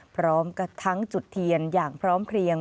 พร้อมกับทั้งจุดเทียนอย่างพร้อมเพลียง